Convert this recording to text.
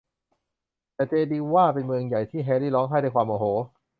แต่เจนีวาเป็นเมืองใหญ่ที่แฮร์รี่ร้องไห้ด้วยความโมโห